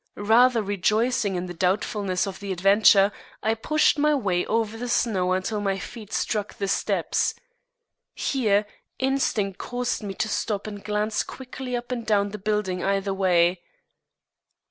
Rather rejoicing in the doubtfulness of the adventure, I pushed my way over the snow until my feet struck the steps. Here, instinct caused me to stop and glance quickly up and down the building either way.